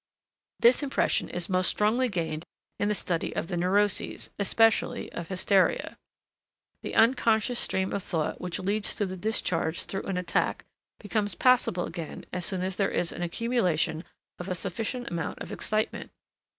This impression is most strongly gained in the study of the neuroses, especially of hysteria. The unconscious stream of thought which leads to the discharge through an attack becomes passable again as soon as there is an accumulation of a sufficient amount of excitement.